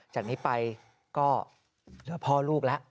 จากนี้ไปก็พ่อลูกแล้ว